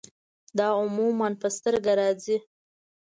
دا عموماً پۀ سترګه راځي